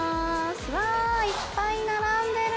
わぁいっぱい並んでる！